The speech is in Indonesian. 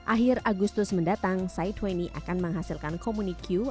akhir agustus mendatang sai dua puluh akan menghasilkan komunikyu